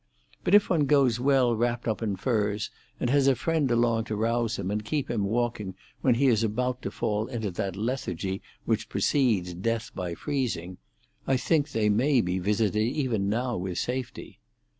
But if one goes well wrapped up in furs, and has a friend along to rouse him and keep him walking when he is about to fall into that lethargy which precedes death by freezing, I think they may be visited even now with safety.